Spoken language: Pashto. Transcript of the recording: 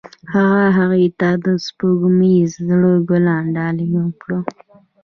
هغه هغې ته د سپوږمیز زړه ګلان ډالۍ هم کړل.